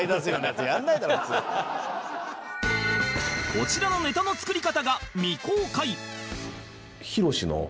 こちらのネタの作り方が未公開